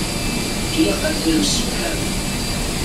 Ilaq ad nemsefham.